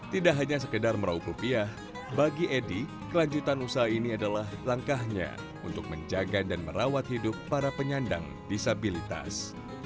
tidak hanya sekedar merauk rupiah bagi edy kelanjutan usaha ini adalah langkahnya untuk menjaga dan merawat hidup para penyandang disabilitas